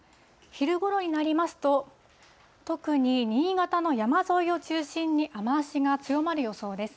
昼ごろになりますと、特に新潟の山沿いを中心に、雨足が強まる予想です。